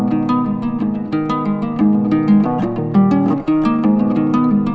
baik gitu sepuluh s dia